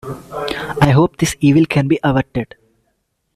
I hope this evil can be averted.